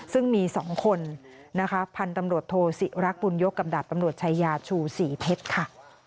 ซึ่งมี๒คนนะคะพันธุ์ตำรวจโทศิรักบุญยกกับดาบตำรวจชายาชูศรีเพชรค่ะ